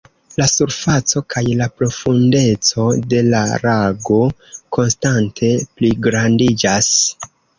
La surfaco kaj la profundeco de la lago konstante pligrandiĝas.